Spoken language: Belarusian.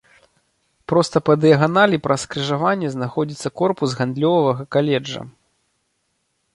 Проста па дыяганалі праз скрыжаванне знаходзіцца корпус гандлёвага каледжа.